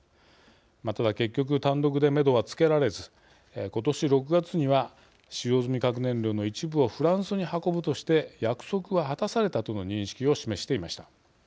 ただ、結局単独で、めどはつけられず今年６月には使用済み核燃料の一部をフランスに運ぶとして約束は果たされたとの認識を示していました。